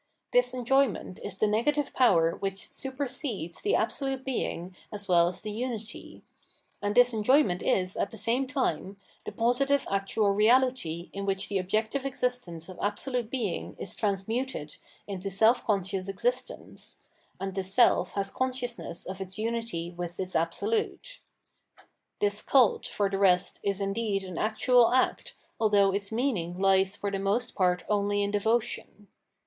This enjoyment is the negative power which supersedes the absolute Being as well as the unity ; and this enjoyment is, at the same time, the positive actual reahty in which the objective existence of absolute Being is transmuted into self conscious existence, and the self has consciousness of its unity with its Absolute. This cult, for the rest, is iadeed an actual act, although its meaning lies for the most part only in devotion.